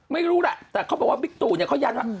ไม่รู้แหละแต่เขาบอกว่าบิ๊กตูเนี่ยเขายันว่า